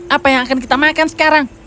apa yang akan kita makan sekarang